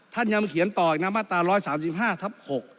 ท่านยังเขียนต่ออีกนะมาตรา๑๓๕ทับ๖